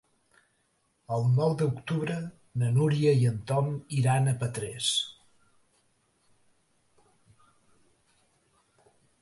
El nou d'octubre na Núria i en Tom iran a Petrés.